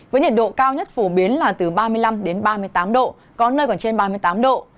với nhiệt độ cao nhất phổ biến là từ ba mươi năm đến ba mươi tám độ có nơi còn trên ba mươi tám độ